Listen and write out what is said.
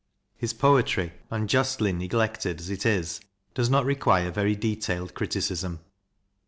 His poetry, unjustly neglected as it is, does not require very detailed criticism.